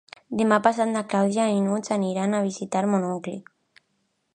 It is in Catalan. Demà passat na Clàudia i n'Hug aniran a visitar mon oncle.